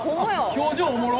・表情おもろ！